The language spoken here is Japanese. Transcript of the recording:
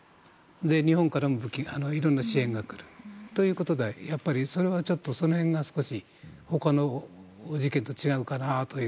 日本からもいろんな支援が来るということでやっぱりそれはその辺が他の事件と違うかなという。